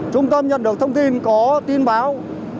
trung tâm nhận được thông tin có tin báo